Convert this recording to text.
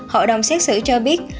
hội đồng xét xử cho biết